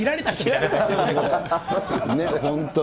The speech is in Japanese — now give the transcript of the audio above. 本当に。